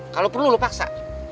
kalo perlu lo paksa